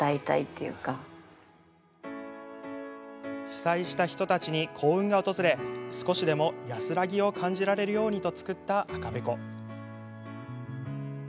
被災した人たちに幸運が訪れ少しでも安らぎを感じられるようにと作った赤べこ。